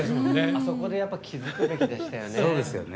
あそこで気付くべきでしたよね。